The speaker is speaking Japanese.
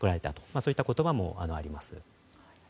そういった言葉もあります。